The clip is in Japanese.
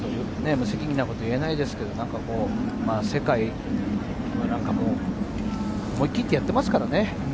無責任なことは言えないですけれど、世界はなんかもう、思い切ってやっていますからね。